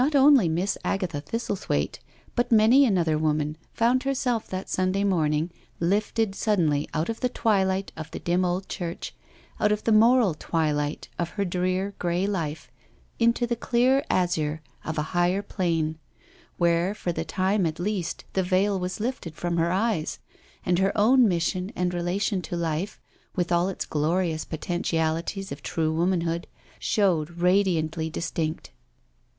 Not only Miss Agatha Thistlethwaite, but many another woman, found herself that Sunday morning lifted suddenly out of the twilight of the dim old church, out of the moral twilight of her drear, grey life, into the clear azure of a higher plane, where for the time at least the veil was lifted from her eyes, and her own mission and relation to life, with all its glorious potentialities of true womanhood, showed radiantly distinct.